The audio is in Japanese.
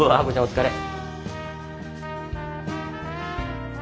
お疲れ。